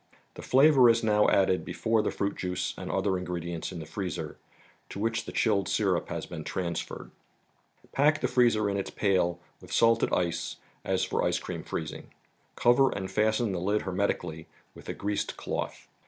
The flavor is now added before the fruit juice and other ingredients in the freezer, to which the chilled syrup has been transferred. Pack the freezer in its pail with salted ice as for ice cream freezing. Cover and fas¬ ten the lid hermetically with a greased cloth.